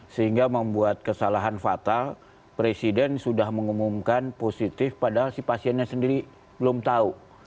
sehingga membuat kesalahan fatal presiden sudah mengumumkan positif padahal si pasiennya sendiri belum tahu